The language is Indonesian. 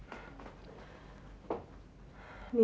ibu sampai kapan ayah mau pulang lagi